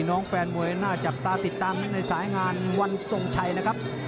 แฟนมวยน่าจับตาติดตามในสายงานวันทรงชัยนะครับ